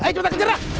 ayo cepetan kejar lah